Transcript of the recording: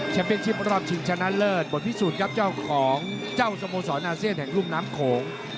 เป็นชิปรอบชิงชนะเลิศบทพิสูจน์ครับเจ้าของเจ้าสโมสรอาเซียนแห่งรุ่มน้ำโขง